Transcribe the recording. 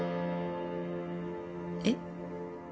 えっ？